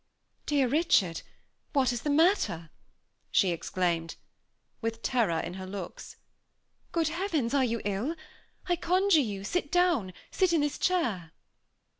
"Dear Richard! what is the matter?" she exclaimed, with terror in her looks. "Good Heavens! are you ill? I conjure you, sit down; sit in this chair."